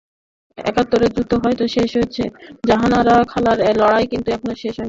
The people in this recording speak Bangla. একাত্তরের যুদ্ধ হয়তো শেষ হয়েছে, জাহানারা খালার লড়াই কিন্তু এখনো শেষ হয়নি।